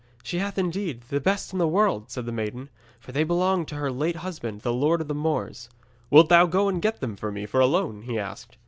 'She hath indeed, the best in the world,' said the maiden, 'for they belonged to her late husband, the Lord of the Moors.' 'Wilt thou go and get them for me for a loan?' he asked.